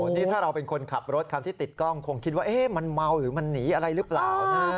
นี่ถ้าเราเป็นคนขับรถคันที่ติดกล้องคงคิดว่ามันเมาหรือมันหนีอะไรหรือเปล่านะ